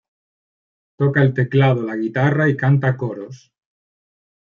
Toca el teclado la guitarra y canta coros.